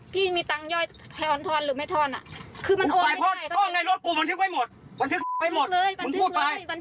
พี่มีตังค์ย่อยแพ้ออนทอนหรือไม่ทอนอะ